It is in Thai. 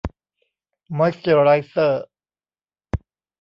มอยส์เจอร์ไรเซอร์